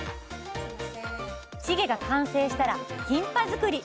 チゲが完成したらキンパ作り